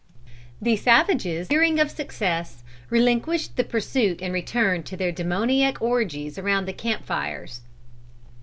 The savages at length, despairing of success, relinquished the pursuit and returned to their demoniac orgies around their camp fires.